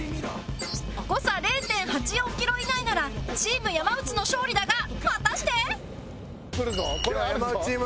誤差 ０．８４ キロ以内ならチーム山内の勝利だが果たしてでは山内チーム。